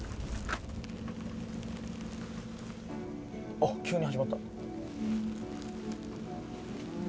あっ急に始まった。